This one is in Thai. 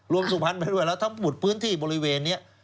สุพรรณไปด้วยแล้วทั้งหมดพื้นที่บริเวณนี้